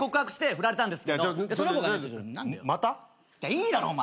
いいだろお前。